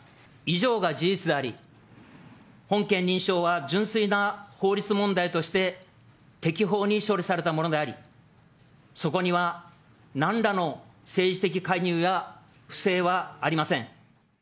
以上が事実であり、本件認証は純粋な法律問題として、適法に処理されたものであり、そこには、なんらの政治的介入や不正はありません。